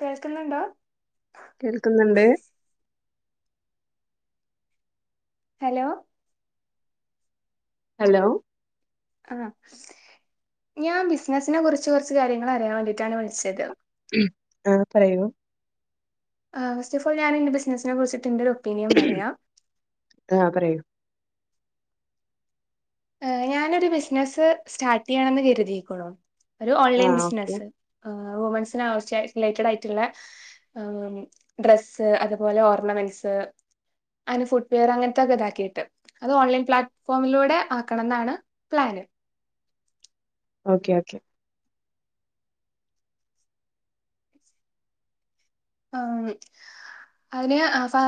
കേൾക്കുന്നുണ്ടോ? കേൾക്കുന്നുണ്ട്. Hello? Hello? ആ ഞാൻ ബിസിനസിനെ കുറിച്ച് കുറച്ച് കാര്യങ്ങൾ അറിയാൻ വേണ്ടിയിട്ടാണ് വിളിച്ചത്. ആഹ് പറയൂ. ആഹ ഫസ് ഓഫ്ഓൾ ഞൻന്റെ ബസിനസിനെ കുറിച്ചിട്ടു എൻ്റെ ഒരു ഒപ്പീനിയ പറയാം. ആ പറയൂ ഞാനൊ ഒരു ബിസിനസ്സ് സ്റ്റാർട്ട് ചെയ്യാണെന്ന് കരുതിയിക്കണോ ഒരു ആ ഓൺലൈൻ ഓക്കെ ബിസിനസ്സ്. ആ് മനസിലായി ചാരിറ്റിലേറ്റഡ് ആയിട്ടുള്ള. ആ ഡ്രസ്സ് അതുപോലെ ഓർണമെന്റ്സ്. അതിന് ഫുട് വെയർ അങ്ങനത്തെൊക്കെ ഇതാക്കിയിട്ട് അത് ഓൺലൈൻ പ്ലാറ്റ്ഫോമിലൂടെ. ണം എന്നാണ് പ്ലാന്. ഓക്കെ ഓക്കെ ആഹ് അതിന് സ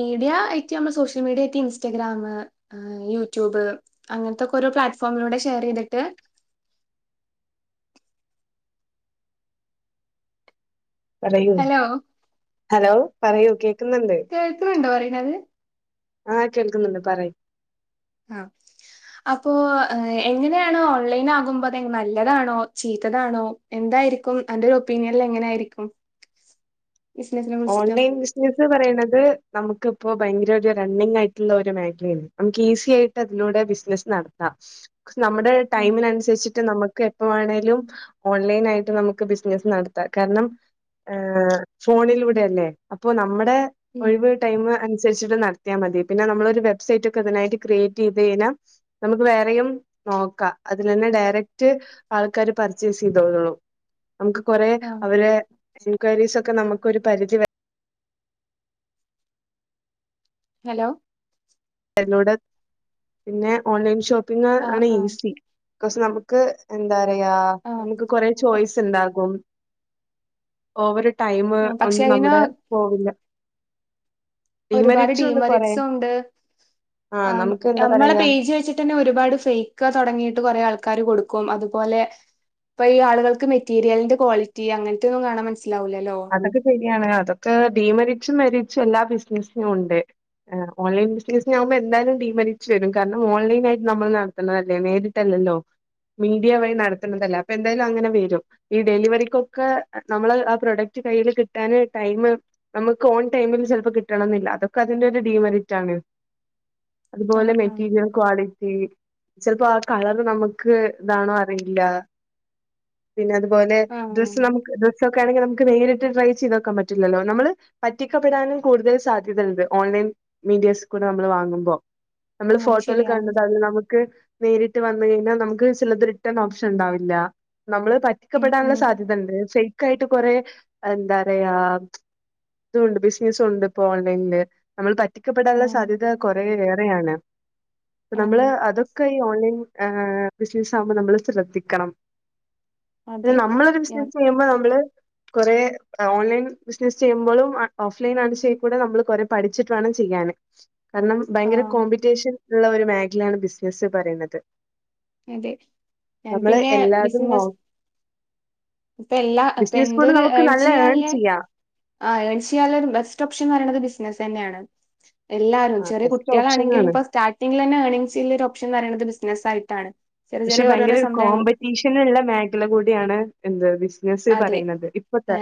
മീഡിയ ഐറ്റ് നമ്മ സോഷ്യൽ മീഡിയ റ്റ് ഇൻസ്റ്റാഗ്രാം. ആഹ് യൂട്യൂബ് അങ്ങനത്തൊക്കെ ഓരോ പ്ലാറ്റ്ഫോമിലൂടെ ഷെയർ ചെയ്തിട്ട്. പറയൂ ഹലോ ഹലോ പറയൂ കേ കേൾക്കുന്നുണ്ടോ പറയുന്നത്. ആഹ് കേൾക്കുന്നുണ്ട് പറിം. ആഹ് അപ്പോൊ എങ്ങനെയാണ് ഓൺലൈൻ ആകുമ്പോ അതെ നല്ലതാണോ ചീത്തതാണോ എന്തായിരിക്കും ആൻ്റെ ഒപ്പീനിയനൽ എങ്ങനൊയിരിക്കും ഓൺലൈൻ ബിസിനസ് പറയണുന്നത് നമുക്കിപ്പോ ഭയങ്കര ഒരു റണ്ണിങ് ആയിട്ടുള്ള ഒരു മേഖലയാണ് നമുക്ക് ഈസി ആയിട്ട് അതിലൂടെ ബിസിനസ്സ് നടത്താം നമ്മുടെ ആഹ് ടൈമിനനുസരിച്ചിട്ട് നമുക്ക് എപ്പോം ആണേലും ഓൺലൈൻ ആയിട്ട് നമുക്ക് ബിസിനസ് നടത്താം കാരണം ആ ഫോണിലൂടെയല്ലേ അപ്പൊ നമ്മുടെ ഉം ഒഴിവ് ടൈം അനുസരിച്ചി നടത്തിയാൽ മതി പിന്നെ നമ്മള ഒരു വെബ്സൈറ്റ് ഒക്കെ ഇതിനായിട്ട് ക്രിയേറ്റ് ചെയ്ത് കഴിഞ്ഞാൽ നമുക്ക് വേറെയും നോക്കാം അതിൽ തന്നെ ഡയറക്റ്റ് ആൾക്കാര് പർച്ചേസ് ചെയ്തോന്നള്ളൂ നമുക്ക് കൊറെേ ആഹ് അവര് എൻക്വയരീസ് ഒക്കെ നമുക്ക് ഒരു പരിധി വരെ ഹലോ എന്നോട് പിന്നെ ഓൺലൈൻ ഷോപ്പിംഗ ആഹ് ആണ് ഇത് ആഹ് ഈസി പക്ഷ നമുക്ക് എന്താ പറയാ ആഹ് നമുക്ക് കൊറെ ചോയ്സ് ഉണ്ടായിരുന്നു ഓവർ ടൈമ പക്ഷെ ഒന്നും അയിന് നമ്മടെ പോവില്ല ഒരുപാട് ഡീമെറിറ്റ്സും ഉണ്ട് കൊറെ ഡീമറിറ്റ്സും ഉണ്ട് ആഹ് നമുക്ക് എന്താ നമ്മളെ പറയാ പേജ് വെച്ചി തന്നെ ഒരുപാട് ഫേക്ക് തുടങ്ങിയിട്ട് കുറേ ആൾക്കാാര് കൊടുക്കും അതുപോലെ ഇപ്പ ആുകൾക്ക് മെറ്റീരിലിന്റെ ക്വാളിറ്റി അങ്ങനത്തെൊന്നും കാണാൻ മനസാവില്ലല്ലോ അതൊക്കെ ശരിയാണ് അതൊക്കെ ഡിമെറിസ്സ് മെറിസ്സ് എല്ലാ ബിസിനസിനും ഉണ്ട് ആ ഓലൈൻ ബിസിനീസ ആുമ്പോ എന്തായാലും ഡിമെറിസ്സ് വരും കാരണം ഓൺലൈനായിട്ട് നമ്മൾ നടതല്ലേ നേരിട്ടല്ലല്ലോ മീഡിയ വഴി നടത്തുന്നതല്ലേ അപ്പൊ എന്തായാലും അങ്ങനെ വരും ഈ ഡെലിവറിക്കൊക്കെ നമ്മള് ആ പ്രൊഡക്റ്റ് കയ്യിയില് കിട്ടാന് ടൈം നമുക്ക് ഓൺ ടൈമിൽ ചിലപ്പോ കിട്ടണം എന്നില്ല അതൊക്കെ അതിന്റെ ഒരു ഡീമെരിറ്റ് ആണ് അതുപോലെ ആഹ് ആഹ് മെറ്റീരിയൽസ് ക്വാളിറ്റി ചിലപ്പോ ആ കളറ് നമുക്ക് ഇതാണോ അറിയില്ല പിന്നെ അതുപോലെ ആഹ് ഡ്രസ്സ് ഒക്കെ ആണെങ്കിൽ നക്ക് നേരിട്ട് ട്രൈ ചെയ്ത് നോക്കാൻ പറ്റില്ലല്ലോ നമ്മള് പറ്റിക്കപെടാനും കൂടുതൽ സാധ്യതയുണ്ട് ഓൺലൈൻ മീഡിയാസ്ൽ കൂടെ നമ്മള് വാങ്ങുമ്പോ നമ്മള് ആഹ് അത് ഫോട്ടോൽ ശരിയാണ് കണത് അൽ നമുക്ക് നേരിട്ട് വന്ന കഴിഞ്ഞാൽ നമുക്ക് ചിലത് റിട്ടേൺ ഓപ്ഷൻ ഉണ്ടാവില്ല നമ്മള് പ ഉം റ്റിക്കപ്പെടാനുള്ള ഉം സാധ്യതണ്ട് ഫേക്ക ആയിട്ട് കൊറെേ എന്താ പറയാ ഇതണ്ട് മിസ് യുസ് ഉണ്ട് ഇപ്പ ഓൺലൈനിില് നമ്മൾ പറ്റിക്കപ്പെടാനുള്ള ആഹ് സാധ്യത കുറെയേറെയാണ് അ ആഹ് നമ്മള് അതൊക്കെ ഈ ഓൺലൈൻ ഹ ബിസിനസ് ആകുമ്പോൾ നമ്മള് ശ്രദ്ധിക്കണം പിന്നെ അതെ നമ്മളൊരു ഞാൻ ബിസിനസ് ചെയ്യുമ്പോ നമ്മള് കൊറ ഓൺലൈൻ ബിസിനസ് ചെയ്യുമ്പോഴും ഓഫ്‌ലൈൻ ആണിച്ചയിബോയ്യേ കൂടെ നമ്മള് കുറെേ പഠിച്ചിട്ട വേണം ചെയ്യാൻ കാരണം ഭയങ്കര ആഹ് കോമ്പറ്റീഷൻ ഉള്ള ഒരു മേഖലയാണ് ബിസിനസ്സ് പറയണുന്നത് അതെ ഞാൻ നമ്മള് പിന്നെ എല്ലാതും നോ ബിസിനസ് ഇപ്പ എല്ലാ ഇപ്പൊ ബിസിനസ് കൊണ്ട് എന്തൊരു നമുക്ക് ഏൺ നല്ല ചെയ്യാണല്ലേ ചെയ്യാം ആ ഏൺ ചെയ്യാനുള്ള ഒരു ബെസ്റ്റ് ഓപ്ഷൻന്ന് പറയണത് ബിസിനസ്സ് തന്നെയാണ് എല്ലാരും ആ ചെറ ബെസ്റ്റ് കുട്ടികാണെങ്കിലും ഓപ്ഷനാണ് ഇപ്പോ സ്റ്റാർട്ടിംഗിൽ തന്നെ ഏണിംഗങ് ചെയ്യുള്ള ഒരു ഓപ്ഷ പറയുന്നത് ബിസിനസ്സയിട്ടാണ് പക്ഷെ ഭയങ്കര ഒരു കോമ്പറ്റീഷൻ നുള്ള മേഖല കൂടിയാണ് എന്ത് ബിസിനസ് അതെ പറയുന്നത് ഇപ്പത്തെ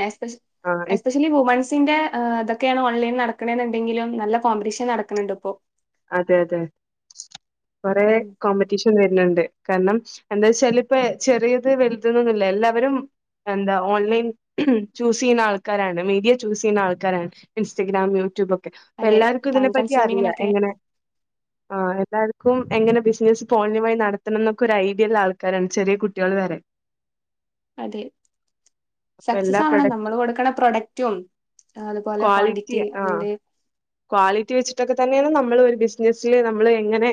ആ ഇതിൽ വുമൻസിന്റെ ഇതൊക്കെയാണ് ഓൺലൈൽ നടക്കണെന്നുണ്ടെങ്കിലും നല്ല കോമ്പറ്റീഷൻ നടക്കണണ്ട് ഇപ്പോ അതെ അതെ കൊറെ ഉം കോമ്പറ്റീഷൻ വരുന്നുണ്ട് കാരണം എന്താ വെച്ചാല് ഇപ്പ ചെറിയത് വലുതുന്നൊന്നുമില്ല എല്ലാവരും എന്താ ഓൺലൈൻ ചൂസ് ചെയ്യുന്ന ആൾക്കാരാണ് മീഡിയ ചൂസ് ചെയ്യുന്ന ആൾക്കാരാണ് ഇൻസ്റ്റഗ്രാം യൂട്യൂബ് ഒക്കെ അപ്പ അതെ എല്ലാവർക്കും ടൈം ഇതിനെ പറ്റി അറിയാം കൺസ്യൂമിങ്ങിനൊക്കെ എങ്ങനെ [inaudible] ആ എല്ലാവർക്കും എങ്ങനെ ബിസിനസ്സ് പോളിമായി നടത്തണം എന്നൊക്കെ ഒരു ഐഡിയ ഉള്ള ആൾക്കാരാണ് ചെറിയ കുട്ടികൾ വരെ അതെ അപ്പൊ സക്സസ് എല്ലാ ആവണം നമ്മള് പ്രൊഡക്റ്റും കൊടുക്കണ പ്രൊഡക്റ്റും അതുപോലെ ക്വാളിറ്റി ക്വാണ്ടിറ്റി ആ [unintelligible] ക്വാളിറ്റി വെച്ചിട്ടൊക്കെ തന്നെണ് നമ്മള് ഒരു ബിസ്നസ്സില് നമ്മള് എങ്ങനെ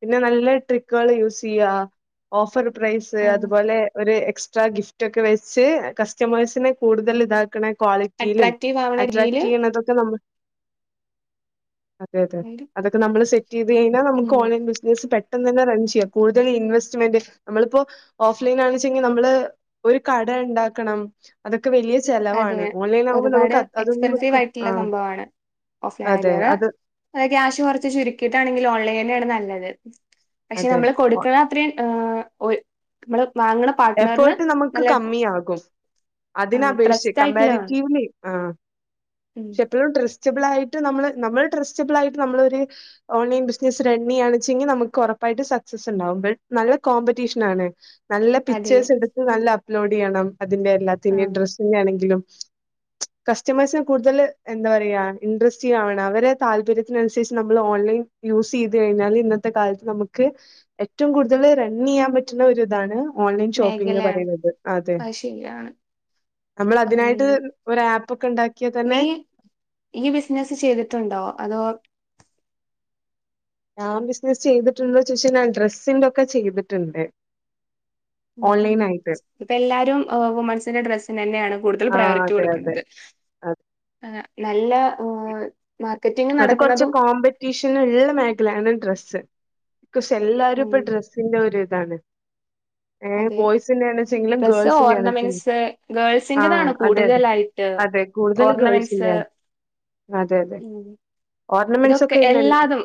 പിന്നെ നല്ല ട്രിക്കുകൾ യൂസ് ചെയ്യ ഓഫർ പ്രൈസ് ഉം അതുപോലെ ഒരു എക്സ്ട്രാ ഗിഫ്റ്റ് ഒക്കെ വെച്ച് കസ്റ്റമേഴ്സിനെ കൂടുതൽ ഇത ക്ക്‌ണ ക്വാളിറ്റിയിലും അട്രാക്റ്റീവ് ആവണ അട്രാക്ട് രീതിയില് ചെയ്യുന്നതൊക്കെ നമ്മ അതെ അതെ അതൊക്കെ നമ്മള് സെറ്റ് ചെയ്ത് കഴിഞ്ഞാ ഉം നമക്ക് ഓൺലൈൻ ബിസ്നസ് ട്രെ പെട്ടെന്ന് തന്നെ റൺ ചെയ്യാം കൂടുതൽ ഇൻവെസ്റ്റ്മെന്റ് നമ്മള്പ്പോ ഓഫ് ലൈൻ ആണ്ച്ചെങ്കി നമ്മള് ഒരു കട ഇണ്ടാക്കണം അതൊക്കെ വല്യ അതെ ചെലവാണ് ഓൺലൈൻ ആവുമ്പോ ഒരുപാട് നമുക്ക് അതൊന്നു ആ ഓഫ്‌ അതെ ലൈ അത് [unintelligible] ക്യാഷ് കൊർച്ച് ചുരുക്കിട്ടാണെങ്കില് ഓൺലൈനെണ് നല്ലത് പക്ഷെ നമ്മള് അതെ കൊടുക്ക്‌ണ അത്രയും ഒര് നമ്മള് വാങ്ണ എഫേർട്ട് നമുക്ക് കമ്മി ആകും അതിന ആഹ് [unintelligible] ട്രസ്റ്റ് ആയിട്ടുള്ള വേണം കമ്പാരിറ്റിവ് ല് ആ ഉം എപ്പഴും ട്രസ്റ്റബിളായിട്ട് നമ്മള് നമ്മൾ ട്രസ്റ്റബിളായിട്ട് നമ്മള് ഒര് ഓൺലൈൻ ബിസ്നസ് റണ്ണയ്യാ വെച്ചെങ്കി നമുക്ക് ഒറപ്പായിട്ട് സക്സസ് ഇണ്ടാവും ബ നല്ല കോമ്പറ്റീഷ്നാണ് നല്ല അതെയോ പിച്ചേഴ്‌സ് എടുത്ത് നല്ല അപ്‌ലോഡയ്യണം അതിന്റെ എല്ലാത്തിന്റേം ആഹ് ഡ്ര [unintelligible] ആണെങ്കിലും കസ്റ്റമേഴ്സിന് കൂടുതൽ എന്താ പറയ ഇൻട്രസ്റ്റീവ് ആവണം അവരെ താല്പര്യത്തിനനുസരിച്ച് നമ്മൾ ഓൺലൈൻ യൂസ് ചെയ്ത് കഴിഞ്ഞാല് ഇന്നത്തെ കാലത്ത് നമുക്ക് ഏറ്റവും കൂടുതൽ റണ്ണയ്യാൻ പറ്റുന്ന ഒരു ഇതാണ് ഓൺലൈ ഷോപ്പിംഗ് മേഖലയാണ് പറിണത് അതെ അത് ശരിയാണ് നമ്മളതിനായിട്ട് അങ്ങനെ ഒരു ആപ്പ് ഒക്കെ ഇണ്ടാ നീ ഈ ബിസ്നസ്സ് ചെയ്തിട്ടുണ്ടോ അതോ ഞാൻ ബിസ്നസ് ചെയ്തിട്ട്ണ്ടോ ചോയിച് കഴിഞ്ഞാ ഡ്രസ്സിന്റോക്കെ ചെയ്ത്ട്ട്ണ്ട് ഓൺലൈൻ ആയിട്ട് ഇപ്പ എല്ലാരും വുമൻസിന്റെ ഡ്രസ്സിനന്നെണ് കൂടുതൽ ആ പ്രയോറിറ്റി അതെ അതെ കൊടുക്കുന്നത് അതെ നല്ല മാർക്കറ്റിംഗ് നടക്കണതും ടീഷന്ള്ള മേഖലയാണ് ഡ്രസ്സ് ബിക്കോസ് എല്ലാരും ഉം ഇപ്പൊ ഡ്രസ്സിന്റെ ഒരു ഇതാണ് [inaudible] ഏഹ് അതെ ബോയ്സിന്റെ ആണെച്ചെങ്കിലും ഡ്രസ്സ്‌ ഗേൾസിന്റെ ആണെച്ചെങ്കിലും ഓർണമെന്റ്സ് ആ ഗേൾസിന്റതാണ് അതെ അതെ കൂടുതലായി ട്ട് അതെ കൂടുതൽ ഓർണമെന്റ്സ് ഗേൾസിന്റെ ആണ്. അതെ അതെ ഉം ഓർണമെന്റ്സ് ഇതൊക്കെ ഒക്കെ ഇന്ന് എൽ- എല്ലാതും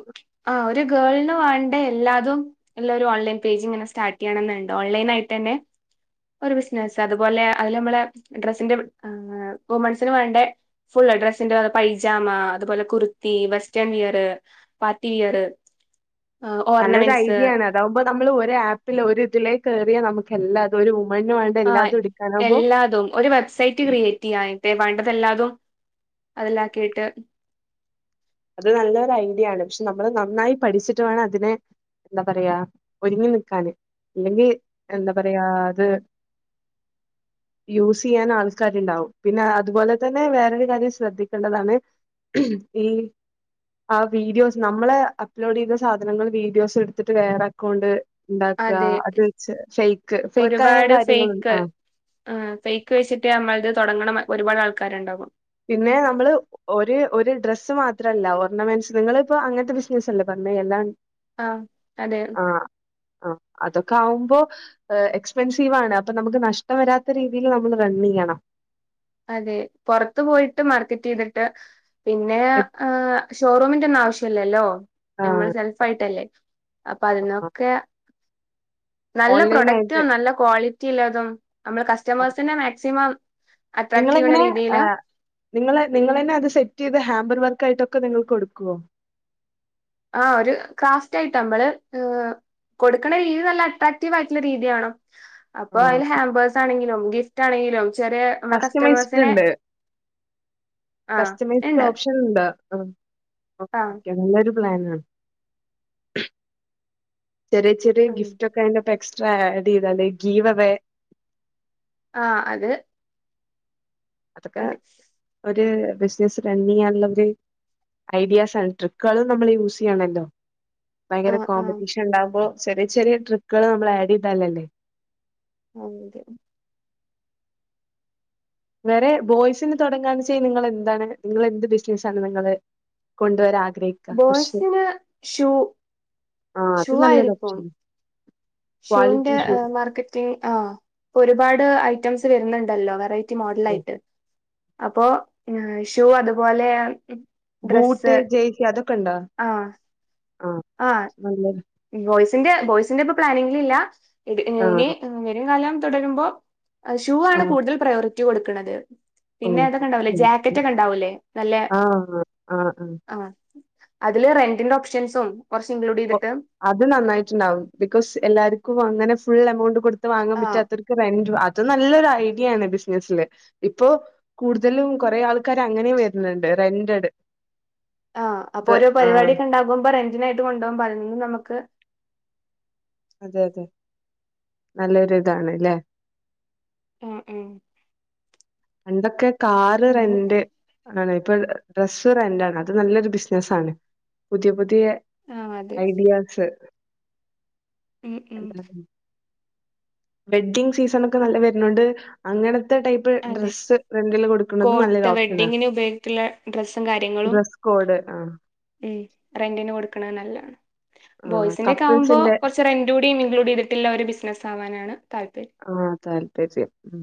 ആ ഒരു ഗേൾന് വാണ്ട എല്ലാതും എല്ലാം ഒരു ഓൺലൈൻ പേജ്ങ്ങനെ സ്റ്റാർട്ട് ചെയ്യണം ന്ന്ണ്ട് ഓൺലൈൻ ആയിട്ടന്നേ ഒരു ബിസ്നസ് അതുപോലെ അതില് നമ്മള ഡ്രസ്സിന്റെ വുമൻസിന് വേണ്ട ഫുള്ള് ഡ്രസ്സിന്റെ പൈജാമ അതുപോലെ kurti western wear party wear നല്ലൊരു ഐഡിയ ആണ് അതാവുമ്പോ നമ്മള് ഒരു ആപ്പില് ഒര് ഇതിലേ കെറിയ നമുക്ക് എല്ലാതും ഒരു വുമൺ ന് ആ എല്ലാതും ഒരു സൈറ്റ് ക്രിയേറ്റ് ചെയ്യാ [unintelligible] വേണ്ടതെല്ലാതും അത് ലാക്കിയിട്ട് അത് നല്ലൊരു ഐഡിയ ആണ് പക്ഷെ നമ്മള് നന്നായി പഠിച്ചിട്ട് വേണം അതിനെ എന്താ പറയാ ഒരുങ്ങി നിക്കാന് ഇല്ലെങ്കി എന്താ പറയാ അത് യൂസ് ചെയ്യാന് ആൾക്കാര്ണ്ടാവും പിന്നെ അതുപോലെ തന്നെ വേറൊരു കാര്യം ശ്രദ്ധിക്കേണ്ടതാണ് ഈ ആ വീഡിയോസ് നമ്മളെ അപ്ലോഡ് ചെയ്ത സാധനങ്ങൾ വീഡിയോസ് എടുത്തിട്ട് വേറെ അക്കൗണ്ട് ഉണ്ടാക്ക അതെ അത് വെച്ച് ഫൈക്ക് ഫൈക്ക് ആയ കാര്യങ്ങള് ആ ആ ഫൈക്ക് വെച്ചിട്ട് നമ്മൾത് തുടങ്ങണം ഒരുപാട് ആൾക്കാര്ണ്ടാവും പിന്നെ നമ്മള് ഒര് ഒര് ഡ്രസ്സ് മാത്രല്ല ഓർണമെൻസ് ഇങ്ങള്പ്പോ അങ്ങൻത്തെ ബിസ്നസ്സ് അല്ലേ പർഞ്ഞെ എല്ലാ ആഹ് അതെ ആഹ് ഹ് അതൊക്കെ ആകുമ്പോ എക്സ്പെൻസീവ ആണ് അപ്പൊ നമുക്ക് നഷ്ടം വരാത്ത രീതിയിൽ നമ്മള് റണ്ൺ ചെയ്യണം അതെ പുറത്ത് പോയിട്ട് മാർക്കറ്റ് ചെയ്തിട്ട് പിന്നെ ആഹ് ഷോറൂമിന്റെ ഒന്നും ആവശ്യല്ലല്ലോ നമ്മള് ആഹ് സെൽഫ ആയിട്ടല്ലേ അപ്പൊ ആഹ് അതിനന്നൊക്കെ നല്ല പ്രൊഡക്റ്റ ഓൺലൈനായിട്ട് നല്ല ക്വാളിറ്റില്ലതും നമ്മള് ആഹ് കസ്റ്റമേഴ്സിന്റെ മാക്സിമം അട്രാക്ട് ചെയ്യണ നിങ്ങളെങ്ങനെ രീതിയില് ആഹ് നിങ്ങള നിങ്ങ തന്നെ അത് സെറ്റ് ചെയ്ത് ഹാമ്പർ വർക്ക് ആയിട്ടൊക്കെ നിങ്ങൾ കൊടുക്കുവോ ആഹ് ഒരു ക്രാഫ്റ്റ് ആയിട്ട് നമ്മള് കൊടുക്കണ രീതി നല്ല അട്രാക്റ്റീവ് ആയിട്ടുള്ള രീതിയാണോ അപ്പൊ ആഹ് അതില് ഹാമ്പേഴ്സ് ആണെങ്കിലും ഗിഫ്റ്റ് ആണെങ്കിലും ചെറിയ നമ്മളെ കസ്റ്റമേഴ്സിനെ കസ്റ്റമൈസ്ണ്ട് ആഹ് കറ്റമൈ ഇണ്ട് ഓപ് ആഹ് ഓെ നല്ലൊരു പ്ലൻ ആണ് ചെറിയ ചെറിയ ഉം ഗിഫ്റ്റ് ഒക്കെതി്ൊ എക്സ്ട്രാ ആഡ് ചെയ്തെ ഗീവ് അവേ ആഹ് അത് അതൊക്കെ അതെ ഒരു ബിസിനസ് റണ് ചെയ്യാനുള്ളര് ഐഡിയാസ് ആണ് ട്രിക്കുകളും നമ്മള് യൂസ് ചെയ്യണല്ലോ ഭയങ്കര ആഹ് ആഹ് കോമ്പറ്റീഷൻ ഉണ്ടാവുമ്പോ ചെറിയ ചെറിയ ട്രിക്കുകൾ നമ്മൾ ആഡ് ചെയ്താലല്ലേ അതെ വേറെ ബോയ്സിന് തുടങ്ങുകന്ന് വെച്ച നിങ്ങ എന്താണ് നിങ്ങ എന്ത് ബിസിനസ ആാണ് നിങ്ങള് കൊണ്ടുവരാ ആഗ്രഹിക്കും ബോയ്സിന് ഷൂ ആഹ് ഷൂ അത് നല്ലരു ആയിരിക്കും ഓപ്ഷനാ ഷൂന്റെ മാർക്കറ്റിംഗ് ആഹ് ഇപ്പൊ ഒരുപാട് ഐറ്റംസ് വരുന്നുണ്ടല്ലോ വെറൈറ്റി മോഡൽ അതെ ആയിട്ട് അപ്പോ ഷൂ അതുപോലെ ഡ്രസ്സ് ബൂട്ട്ജേ്സി അതൊക്കെ ഇണ്ടോ ആഹ് ആഹ് ആഹ് നല്ലത് ബോയ്സിന്റെ ബോയ്സിന്റെ ഇപ്പൊ പ്ലാനിങ്ങ ഇല്ല ആ ഇനി വരും കാലം തുടരുമ്പോ ഷൂ ആ ആണ് കൂടുതൽ പ്രയോറിറ്റി കൊടുക്കണത് ഓ പിന്നെ ഏതൊക്കെ ഓക്കെ ഉണ്ടാവല്ലേ ഓക്കെ ജാക്കറ്റ് ഒക്കെ ഉണ്ടാവല്ലേ നല്ല ആ ആ ആ ആഹ് അതില് റെന്റിന്റെ ഓപ്ഷൻസും കുറച്ച് ഓ, ഇൻക്ലൂഡീത്ട്ട്. അത് നന്നായിട്ട്ണ്ടാവും ബിക്കോസ് എല്ലാര്ക്കും അങ്ങനെ ഫുൾ എമൗണ്ട് കൊടുത്ത് വാങ്ങാൻ ആഹ് പറ്റാത്തൊരു. റെന്റും അത് നല്ലൊരു ഐഡിയാണ് ബിസിനസില് ഇപ്പോ. കൂടുതലും കുറേ ആൾക്കാര് അങ്ങനെ വര്ണ് ണ്ട് റെന്റെട്. ആഹ് അപ്പൊ ഓരോ പരിവാടിയൊക്കെ ഉണ്ടാകുമ്പോ റെന്റിനായിട്ട് കൊണ്ട്പോവുമ്പോ അതിൽ നിന്ന് നമ്ക്ക്. അതെ, അതെ നല്ലൊരുതാണ്ല്ലേ. ഉം ഉം. പണ്ടൊക്കെ കാറ് അങ്ങനെ റെന്റ്. ആണാണ് ഇപ്പൊ ഡ്രസ്സ്‌ റെന്റാണ് അത് നല്ലൊരു ബിസിനസാണ് പുതിയ, പുതിയ. ആഹ് അതെ ഐഡിയാസ്. ഉം, ഉം. വെഡ്ഢിങ്ങ് സീസൺ ഒക്കെ നല്ലോ വര്ന്നോണ്ട് അങ്ങനത്തെ ടൈപ്പ്. പ്പ് അതെ ഡ്രസ്സ് റെന്റില് കൊട്ക്ക്ണത് നല്ലൊരു കോട്ട് ഓപ്ഷനാ വെഡ്ഡിങ്ങിന് ഉപയോഗിക്കുള്ള ഡ്രസ്സും കാര്യങ്ങളും ഡ്രസ്സ്‌. കോഡ് ആഹ്. ഉം റെന്റിന് കൊടുക്ക്ണ് നല്ലാണ് ആഹ് ബോയ്സിന്റെക്കെ ആവുമ്പോ കപ്പിൾസിന്റെ കൊറച്ച് റെന്റ്. ന്റ്റൂടി ഇൻക്ലൂഡ് ചെയ്ത്ട്ടില്ലെ ഒരു ബിസ്നസാവാനാണ് താല്പര്യം. ആഹ് താല്പര്യം ഉം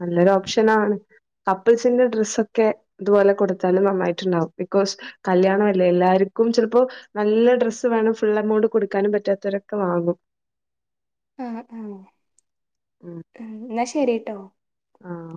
നല്ലൊരു ഓപ്ഷനാണ്. കപ്പിൾസിന്റെ ഡ്രസ്സൊക്കെ ഇതുപോലെ കൊടുത്താല് നന്നായിട്ട്ണ്ടാവും ബിക്കോസ്. കല്ല്യാണമല്ലേ എല്ലാര്ക്കും ചെലപ്പോ. നല്ല ഡ്രസ്സ് വേണം ഫുൾ എമൗണ്ട് കൊടുക്കാനും പറ്റാത്തവരൊക്കെ വാങ്ങും. ആഹ് ആഹ്. ഉം. എന്നാ ശരിട്ടോ. ആഹ്